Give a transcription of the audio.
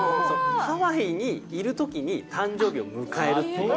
ハワイにいるときに誕生日を迎える。